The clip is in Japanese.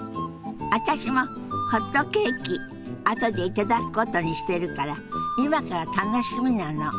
私もホットケーキあとで頂くことにしてるから今から楽しみなの。